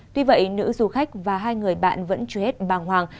tuy vậy nữ du khách và hai người bạn vẫn chưa hết bàng hoàng